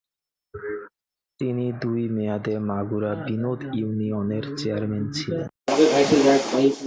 তিনি দুই মেয়াদে মাগুরা বিনোদ ইউনিয়নের চেয়ারম্যান ছিলেন।